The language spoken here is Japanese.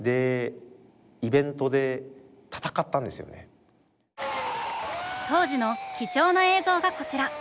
恐らく当時の貴重な映像がこちら。